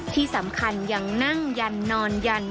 ที่สำคัญยังนั่งยันนอนยัน